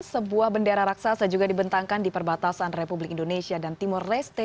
sebuah bendera raksasa juga dibentangkan di perbatasan republik indonesia dan timur leste